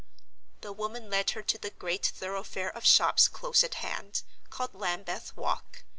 The woman led her to the great thoroughfare of shops close at hand, called Lambeth Walk.